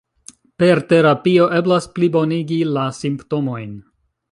Per terapio eblas plibonigi la simptomojn.